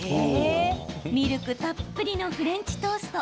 ミルクたっぷりのフレンチトースト。